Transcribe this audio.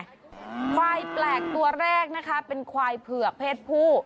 ควายแปลกตัวแรกนะคะเป็นควายเผือกเพศผู้